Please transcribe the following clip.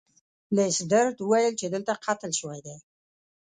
لیسټرډ وویل چې دلته قتل شوی دی.